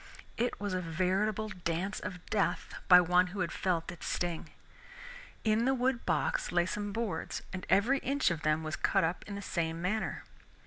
It was a veritable Dance of Death by one who had felt its sting. In the wood box lay some boards, and every inch of them was cut up in the same manner.